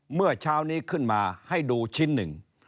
เมื่อเช้านี้ขึ้นมาให้ดูชิ้นหนึ่ง